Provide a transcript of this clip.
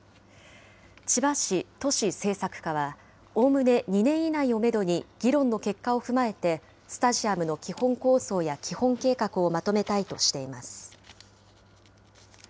千葉市都市政策課は、おおむね２年以内をメドに議論の結果を踏まえて、スタジアムの基本構想や基本計画をまとめたいとしています。